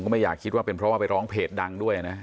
ไม่อยากคิดว่าเป็นเพราะว่าไปร้องเพจดังด้วยนะ